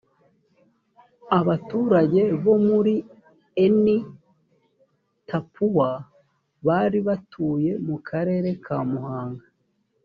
abaturage bo muri eni tapuwa bari batuye mu karere ka muhanga